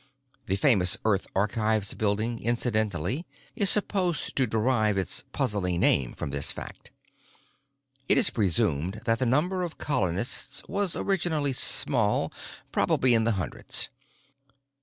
(The famous Earth Archives Building, incidentally, is supposed to derive its puzzling name from this fact.) It is presumed that the number of colonists was originally small, probably in the hundreds.